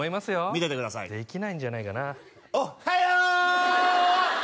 見ててくださいできないんじゃないかなおっはよう！